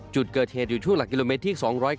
จุดเกิดเหตุอยู่ช่วงหลักกิโลเมตรที่๒๙